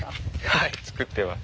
はい作ってます。